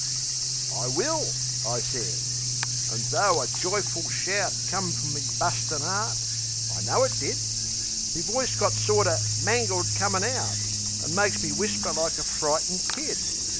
"I will," I sez. An' tho' a joyful shout Come from me bustin' 'eart I know it did Me voice got sorter mangled comin' out, An' makes me whisper like a frightened kid.